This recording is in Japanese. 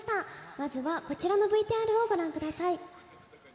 まずはこちらのＶＴＲをご覧ください。